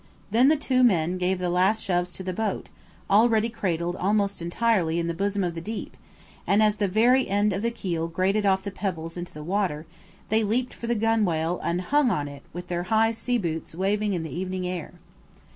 Then the two men gave the last shoves to the boat, already cradled almost entirely on the bosom of the deep, and as the very end of the keel grated off the pebbles into the water, they leaped for the gunwale and hung on it with their high sea boots waving in the evening air.